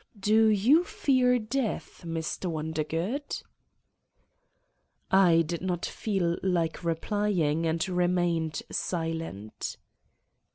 Do you fear death, Mr. Wondergood?" I did not feel like replying and remained silent.